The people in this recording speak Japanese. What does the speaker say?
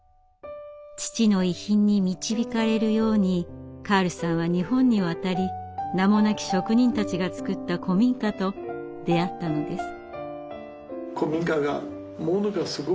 父の遺品に導かれるようにカールさんは日本に渡り名もなき職人たちが造った古民家と出会ったのです。